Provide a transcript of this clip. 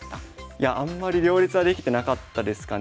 いやあんまり両立はできてなかったですかね